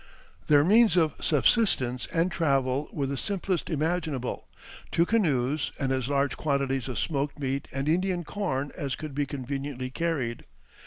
Their means of subsistence and travel were the simplest imaginable, two canoes and as large quantities of smoked meat and Indian corn as could be conveniently carried.